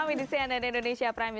tidak ada perbedaan